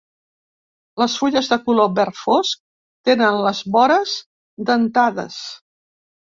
Les fulles de color verd fosc tenen les vores dentades.